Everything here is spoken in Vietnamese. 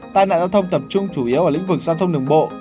tai nạn giao thông tập trung chủ yếu ở lĩnh vực giao thông đường bộ